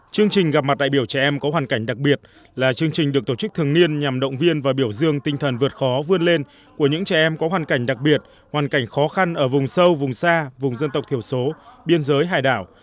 chương trình gặp mặt đại biểu trẻ em có hoàn cảnh đặc biệt là chương trình được tổ chức thường niên nhằm động viên và biểu dương tinh thần vượt khó vươn lên của những trẻ em có hoàn cảnh đặc biệt hoàn cảnh khó khăn ở vùng sâu vùng xa vùng dân tộc thiểu số biên giới hải đảo